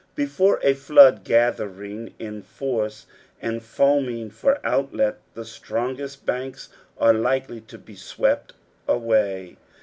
Before a flood gathering in force and foaming for outlet the strongest banks are likely to he swept away.